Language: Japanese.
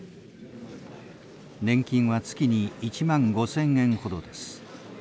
年金は月に１万５，０００円ほどです。